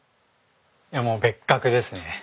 いやもう別格ですね。